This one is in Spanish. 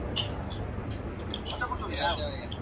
Es una operación de la policía.